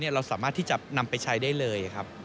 เราสามารถที่จะนำไปใช้ได้เลยครับ